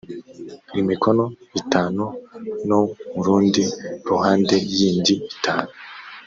imikono itanu no mu rundi ruhande yindi itanu